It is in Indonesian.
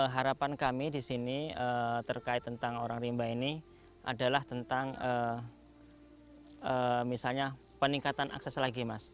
harapan kami di sini terkait tentang orang rimba ini adalah tentang misalnya peningkatan akses lagi mas